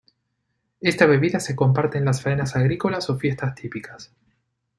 Esta bebida se comparte en las faenas agrícolas o fiestas típicas.